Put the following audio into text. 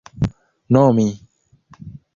nomi